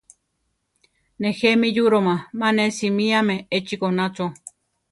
Nejé mi yúroma, mane simíame echí goná chó.